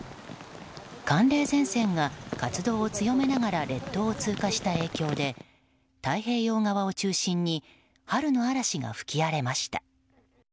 寒冷前線が活動を強めながら列島を通過した影響で太平洋側を中心に春の嵐が吹き荒れました。